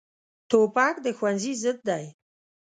توپک د ښوونځي ضد دی.